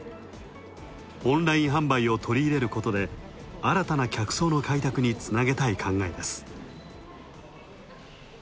オンライン販売を取り入れることで新たな客層の開拓につなげたい考えでです。